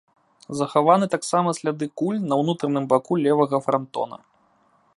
Захаваны таксама сляды куль на ўнутраным баку левага франтона.